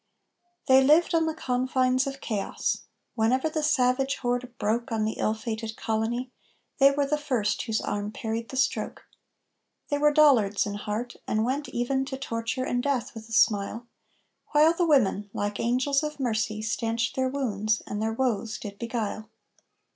They lived on the confines of chaos. Whenever the savage horde broke On the ill fated colony, they were the first whose arm parried the stroke. They were Dollards in heart, and went even to torture and death with a smile, While the women, like angels of mercy, stanched their wounds and their woes did beguile.